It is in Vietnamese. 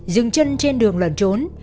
dừng chân trên đường lợn trốn